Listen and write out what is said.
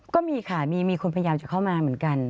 ก็มีค่ะมีคนพยายามจะเข้ามาเหมือนกัน